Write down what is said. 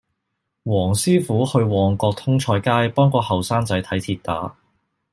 黃師傅去旺角通菜街幫個後生仔睇跌打